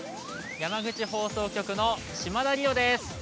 山口放送局の島田莉生です。